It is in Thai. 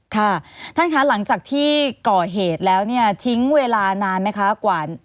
ค่ะท่านคะหลังจากที่ก่อเหตุแล้วเนี่ยทิ้งเวลานานไหมคะ